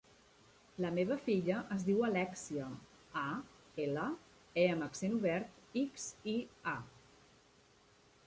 La meva filla es diu Alèxia: a, ela, e amb accent obert, ics, i, a.